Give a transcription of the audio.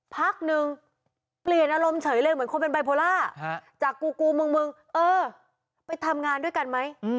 พักนึงเปลี่ยนอารมณ์เฉยเลยเหมือนคนเป็นบายโพล่าจากกูกูมึงมึงเออไปทำงานด้วยกันไหม